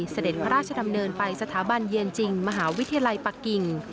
เสด็จพระราชดำเนินไปสถาบันเยือนจริงมหาวิทยาลัยปะกิ่ง